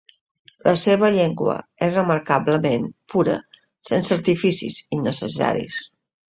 La seva llengua és remarcablement pura, sense artificis innecessaris.